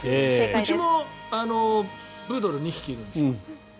うちもプードル２匹いるんです。